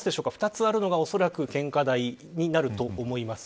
２つあるのが、おそらく献花台になると思います。